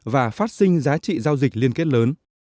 và phát sinh giá trị giao dịch liên kết lớn